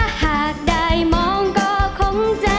ใจรองได้ช่วยกันรองด้วยนะคะ